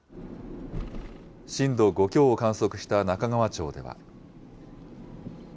震度５強の観測した中川町では。